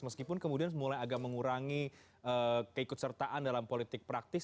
meskipun kemudian mulai agak mengurangi keikutsertaan dalam politik praktis